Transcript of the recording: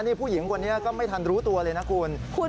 นี่ผู้หญิงคนนี้ก็ไม่ทันรู้ตัวเลยนะคุณ